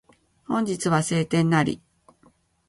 本日は晴天なり